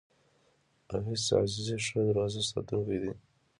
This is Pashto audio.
اویس عزیزی ښه دروازه ساتونکی دی.